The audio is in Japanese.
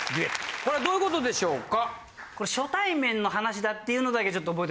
これはどういうことでしょうか？